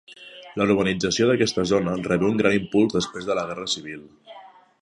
La urbanització d'aquesta zona rebé un gran impuls després de la guerra civil.